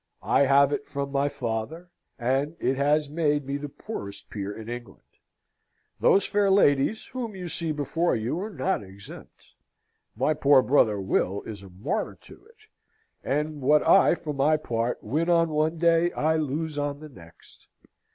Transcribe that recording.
I have it from my father, and it has made me the poorest peer in England. Those fair ladies whom you see before you are not exempt. My poor brother Will is a martyr to it; and what I, for my part, win on one day, I lose on the next.